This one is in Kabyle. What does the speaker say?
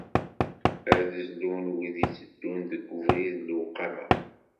Ad zlun wid itteddun deg ubrid n lewqama.